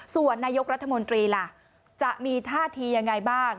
ส่วนนายกรัฐมนตรีล่ะจะมีท่าทียังไงบ้าง